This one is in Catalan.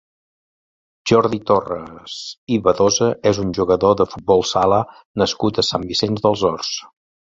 Jordi Torras i Badosa és un jugador de futbol sala nascut a Sant Vicenç dels Horts.